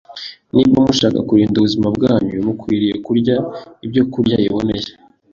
Niba mushaka kurinda ubuzima bwanyu, mukwiriye kurya ibyokurya biboneye,